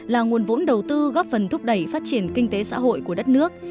là nguồn vốn đầu tư góp phần thúc đẩy phát triển kinh tế xã hội của đất nước